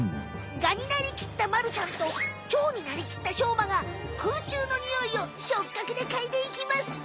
ガになりきったまるちゃんとチョウになりきったしょうまがくうちゅうのニオイを触角でかいでいきます！